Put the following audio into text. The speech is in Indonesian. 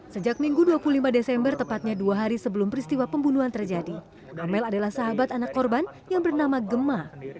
sejak minggu dua puluh lima desember tepatnya dua hari sebelum peristiwa pembunuhan terjadi amel adalah sahabat anak korban yang bernama gemma